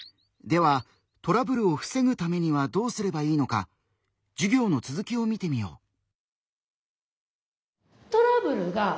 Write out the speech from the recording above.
ではトラブルをふせぐためにはどうすればいいのか授業の続きを見てみよう。